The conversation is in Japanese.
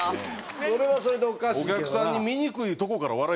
それはそれでおかしいけどな。